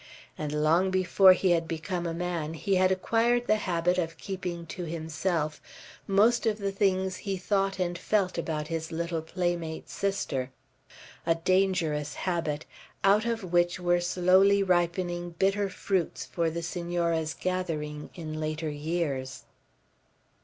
And long before he had become a man he had acquired the habit of keeping to himself most of the things he thought and felt about his little playmate sister, a dangerous habit, out of which were slowly ripening bitter fruits for the Senora's gathering in later years.